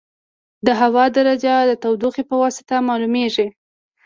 د هوا درجه د تودوخې په واسطه معلومېږي.